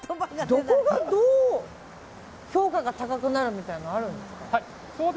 どこがどう評価が高くなるみたいなのはあるんですか。